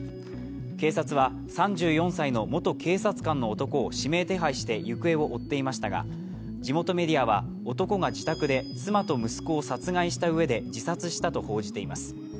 警察は３４歳の元警察官の男を指名手配して行方を追っていましたが、地元メディアは男が自宅で妻と息子を殺害したうえで自殺したと報じています。